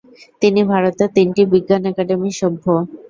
তিনি ভারতের তিনটি বিজ্ঞান একাডেমীর সভ্য।